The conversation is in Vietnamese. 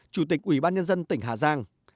chủ tịch ủy ban nhân dân tỉnh hà giang